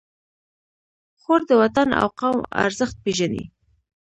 خور د وطن او قوم ارزښت پېژني.